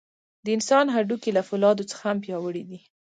د انسان هډوکي له فولادو څخه هم پیاوړي دي.